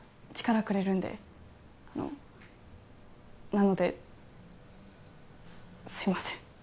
力くれるんであのなのですいません